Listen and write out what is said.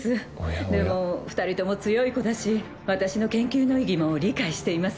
でも２人とも強い子だし私の研究の意義も理解しています。